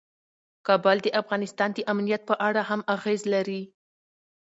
کابل د افغانستان د امنیت په اړه هم اغېز لري.